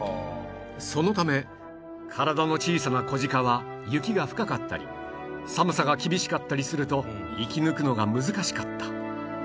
そのため体の小さな子ジカは雪が深かったり寒さが厳しかったりすると生き抜くのが難しかった